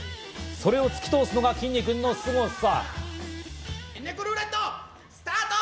それを突き通すのがきんに君のすごさ。